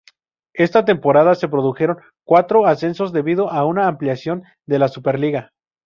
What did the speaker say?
Esta temporada se produjeron cuatro ascensos debido a una ampliación de la Superliga.